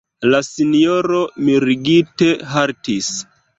La sinjoro mirigite haltis.